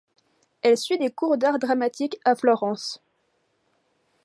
Elle suit des cours d’art dramatique à Florence.